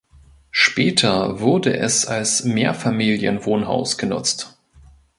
Später wurde es als Mehrfamilienwohnhaus genutzt.